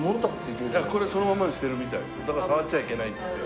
だから触っちゃいけないんですって。